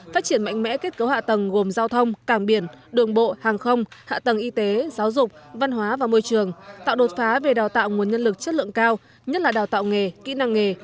phát triển mạnh mẽ kết cấu hạ tầng gồm giao thông cảng biển đường bộ hàng không hạ tầng y tế giáo dục văn hóa và môi trường tạo đột phá về đào tạo nguồn nhân lực chất lượng cao nhất là đào tạo nghề kỹ năng nghề